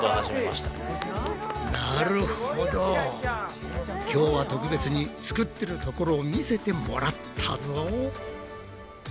すごいよ白井ちゃん。今日は特別に作ってるところを見せてもらったぞ！